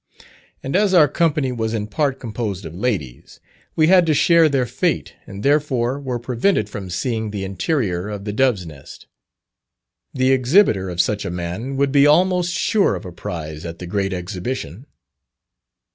And as our company was in part composed of ladies, we had to share their fate, and therefore were prevented from seeing the interior of the Dove's Nest. The exhibitor of such a man would be almost sure of a prize at the great Exhibition.